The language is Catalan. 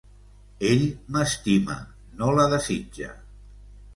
Ell m'estima, no la desitja.